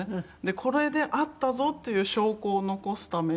これで会ったぞという証拠を残すために。